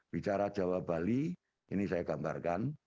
bicara jawa bali ini saya gambarkan